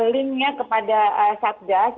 link nya kepada satdas